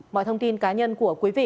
mọi thông tin cá nhân của quý vị